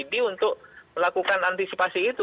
jadi untuk melakukan antisipasi itu